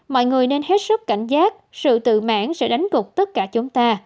mọi người nên hết sức cảnh giác sự tự mãn sẽ đánh gục tất cả chúng ta